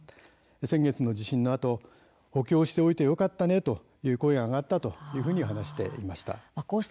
先月の地震のあと補強しておいてよかったねという声が上がったと話していました。